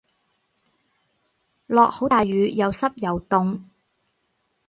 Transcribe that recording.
落好大雨又濕又凍